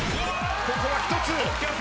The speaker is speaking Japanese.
ここは１つ。